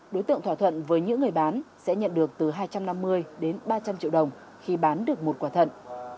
đối tượng thỏa thuận với những người bán sẽ nhận được từ hai trăm năm mươi đến ba trăm linh triệu đồng khi bán được một quả thận